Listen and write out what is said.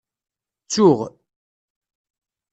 Ttuɣ.